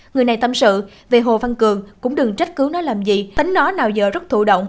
người này tâm sự về hồ văn cường cũng đừng trách cứu nó làm gì tính nó nào giờ rất thủ động